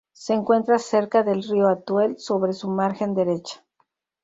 Se encuentra cerca del río Atuel, sobre su margen derecha.